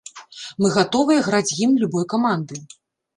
Мы гатовыя граць гімн любой каманды.